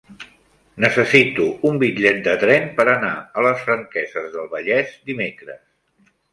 Necessito un bitllet de tren per anar a les Franqueses del Vallès dimecres.